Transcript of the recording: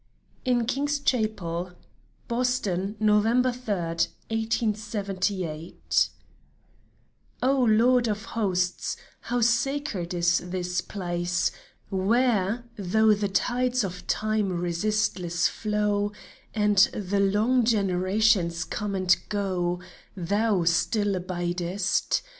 IN KING'S CHAPEL (Boston, November 3, 1878) O, Lord of Hosts, how sacred is this place, Where, though the tides of time resistless flow, And the long generations come and go, Thou still abidest